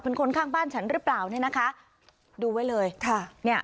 เป็นคนข้างบ้านฉันหรือเปล่าเนี่ยนะคะดูไว้เลยค่ะเนี่ย